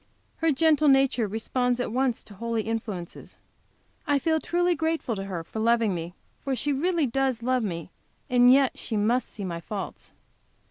Her gentle nature responds at once to holy influences. I feel truly grateful to her for loving me, for she really does love me, and yet she must see my faults.